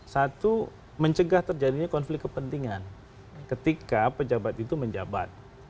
satu mencegah terjadinya konflik kepentingan ketika pejabat itu menjabat